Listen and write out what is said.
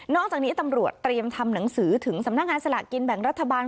จากนี้ตำรวจเตรียมทำหนังสือถึงสำนักงานสลากกินแบ่งรัฐบาล